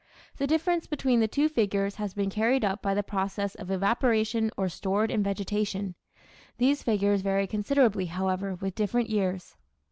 The difference between the two figures has been carried up by the process of evaporation or stored in vegetation. These figures vary considerably, however, with different years.